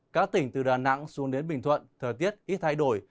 các tỉnh từ đà nẵng xuống đến bình thuận thời tiết ít thay đổi